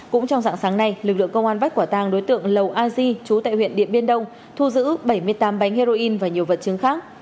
cũng trong dạng sáng nay lực lượng công an bắt quả tàng đối tượng lầu a di trú tại huyện điện biên đông thu giữ bảy mươi tám bánh heroin và nhiều vật chứng khác